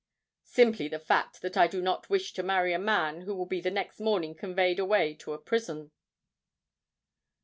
"Simply the fact that I do not wish to marry a man who will be the next morning conveyed away to a prison."